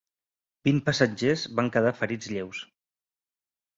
Vint passatgers van quedar ferits lleus.